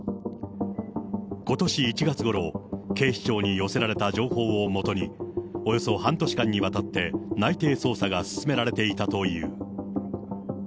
ことし１月ごろ、警視庁に寄せられた情報をもとに、およそ半年間にわたって内偵捜査が進められていたという。